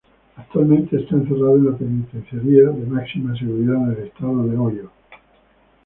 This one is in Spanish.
Actualmente está encerrado en la penitenciaría de máxima seguridad del estado de Ohio.